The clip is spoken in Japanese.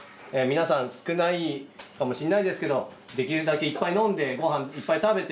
皆さん少ないかもしれないですけどできるだけいっぱい飲んでご飯いっぱい食べて。